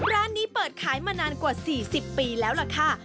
ร้านนี้เปิดขายมานานกว่า๔๐ปีแล้วล่ะค่ะ